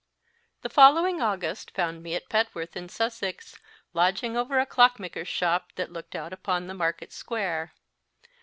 The following August found me at Petworth, in Sussex, lodging over a clockmaker s shop that looked out upon the Market Square.